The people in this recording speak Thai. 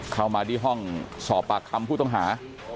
เข้ามาที่ห้องสอบปากคำผู้ต้องหา